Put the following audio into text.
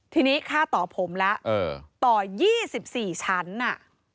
ทีนี้ค่าต่อผมแล้วต่อ๒๔ชั้นอ่ะ